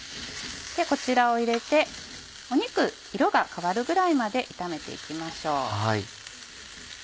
こちらを入れて肉の色が変わるぐらいまで炒めて行きましょう。